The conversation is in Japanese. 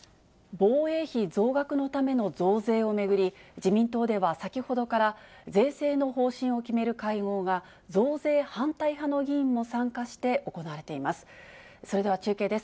防衛費増額のための増税を巡り、自民党では先ほどから、税制の方針を決める会合が、増税反対派の議員も参加して行われています。